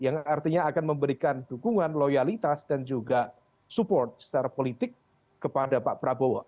yang artinya akan memberikan dukungan loyalitas dan juga support secara politik kepada pak prabowo